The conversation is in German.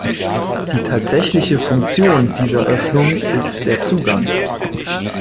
Die tatsächliche Funktion dieser Öffnung ist der Zugang.